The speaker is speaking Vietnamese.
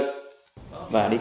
bản thân dân tộc